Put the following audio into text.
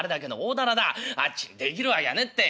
あっちにできるわけがねえって。